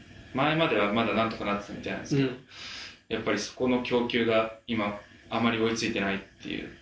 前まではまだなんとかなってたみたいなんですけど、やっぱりそこの供給が今、あまり追いついてないっていう。